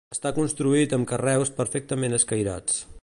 Està construït amb carreus perfectament escairats.